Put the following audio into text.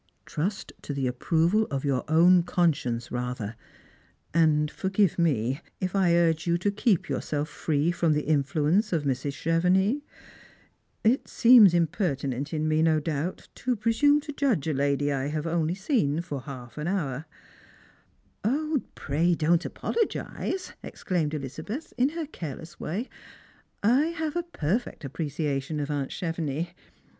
Trust to the approval of your own conscience rather ; and forgive me if I urge you to keep yourself free from the influence of Mrs. ChevenLx. It seems imj^ertinent in me, no doubt, to presume to judge a lady I have only seen for half au hour " Strangers and Pilgrivis. 71 "0, pray don't apologise," exclaimed Elizabeth in her careless way ;" I have a perfect appreciation of aunt Chevenix.